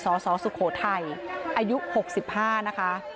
สสสุโขทัยอายุ๖๕นะคะ